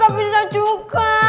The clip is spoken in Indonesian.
gak bisa juga